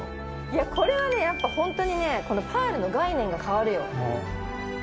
いやこれはねやっぱホントにねパールの概念が変わるよ。